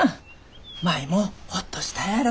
舞もホッとしたやろ。